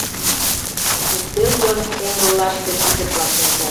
Ӱстел йыр теҥгыллаште ӱдыр-влак шинчат.